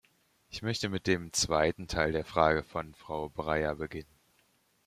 Ich möchte mit dem zweiten Teil der Frage von Frau Breyer beginnen.